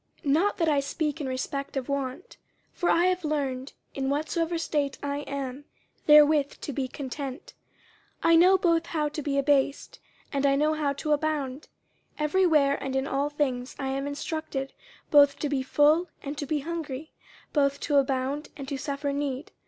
50:004:011 Not that I speak in respect of want: for I have learned, in whatsoever state I am, therewith to be content. 50:004:012 I know both how to be abased, and I know how to abound: every where and in all things I am instructed both to be full and to be hungry, both to abound and to suffer need.